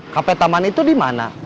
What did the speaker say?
cafe taman itu dimana